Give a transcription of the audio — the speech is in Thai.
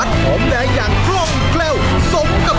ทั่วแรกเสียอะไรนะครับ